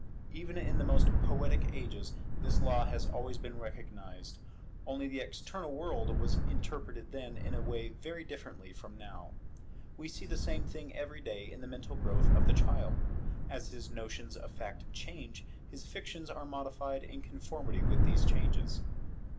Even in the most poetic ages this law has always been recognized, only the external world was interpreted then in a way very differently from now. We see the same thing every day in the mental growth of the child. As his notions of fact change, his fictions are modified in conformity with these changes.